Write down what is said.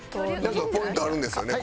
なんかポイントあるんですよね？